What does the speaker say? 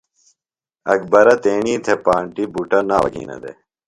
اکبرہ تیݨی تھےۡ پانٹیۡ بُٹہ ناوہ گِھینہ دےۡ۔